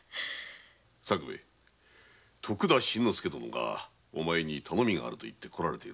作兵衛徳田新之助殿がお前に頼みがあるといって来られた。